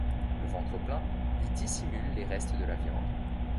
Le ventre plein, il dissimule les restes de la viande.